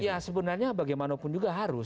ya sebenarnya bagaimanapun juga harus